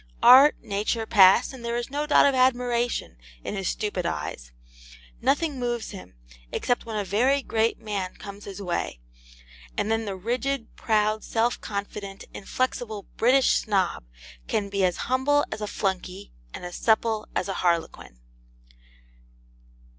Art, Nature pass, and there is no dot of admiration in his stupid eyes: nothing moves him, except when a very great man comes his way, and then the rigid, proud, self confident, inflexible British Snob can be as humble as a flunkey and as supple as a harlequin.